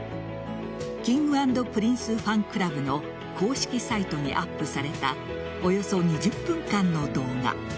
Ｋｉｎｇ＆Ｐｒｉｎｃｅファンクラブの公式サイトにアップされたおよそ２０分間の動画。